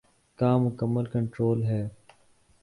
کا مکمل کنٹرول ہے۔